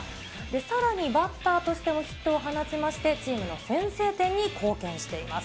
さらに、バッターとしてもヒットを放ちまして、チームの先制点に貢献しています。